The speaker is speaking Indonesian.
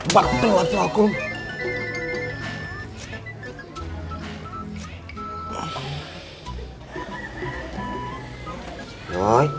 bakal masuk akun